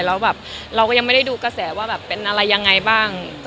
แล้วแบบเราก็ยังไม่ได้ดูกระแสว่าแบบเป็นอะไรยังไงบ้าง